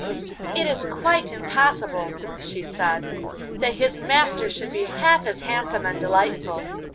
'It is quite impossible,' she said, 'that his master should be half as handsome and delightful.